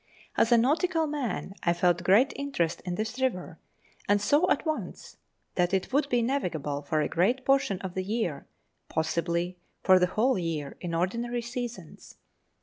As a nautical man I felt great interest in this river, and saw at once that it would be navigable for a great portion of the year, possibly for the whole year, in ordinary seasons.